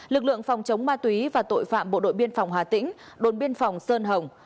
lực lượng phòng chống ma túy và tội phạm bộ đội biên phòng hà tĩnh đồn biên phòng sơn hồng